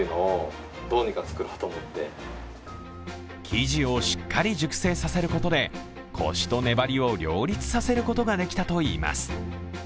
生地をしっかり熟成させることでコシと粘りを両立させることができたといいます。